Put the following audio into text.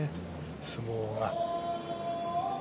相撲が。